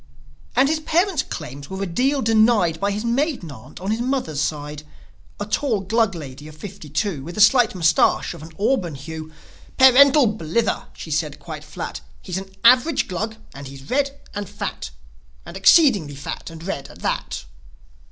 And his parents' claims were a deal denied By his maiden aunt on his mother's side, A tall Glug lady of fifty two With a slight moustache of an auburn hue. "Parental blither!" she said quite flat. "He's an average Glug; and he's red and fat! And exceedingly fat and red at that!"